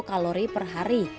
kalori per hari